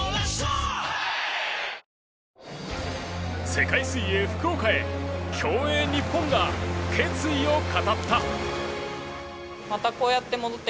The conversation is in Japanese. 世界水泳福岡へ競泳ニッポンが決意を語った。